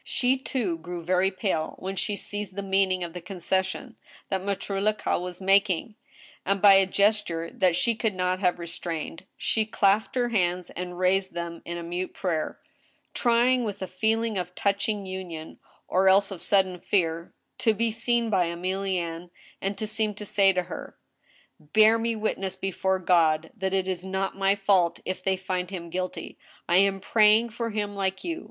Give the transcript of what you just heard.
She, too, grew very pale when she seized the mean ing of the concession that Mattre Lacaille was making, and, by a gest ure that she could not have restrained, she clasped her hands and raised them in mute prayer, trying with a feeling of touching union, or else of sudden fear, to be seen by Emilienne, and to seem to say to her :Bear me witness before God that it is not my fault, if they find him guilty. I am praying for him, like you.